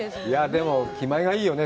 でも、気まえがいいよね。